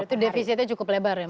berarti defisitnya cukup lebar ya mbak